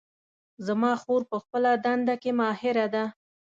زما خور په خپله دنده کې ماهره ده